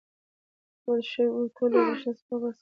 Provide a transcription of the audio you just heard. تود شوی اوتو له برېښنا څخه وباسئ.